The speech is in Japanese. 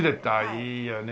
いいよね。